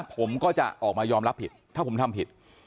ผมก็จะออกมายอมรับผิด